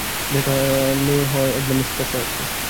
দেখালে হয় একবার নিসার সাহেবকে।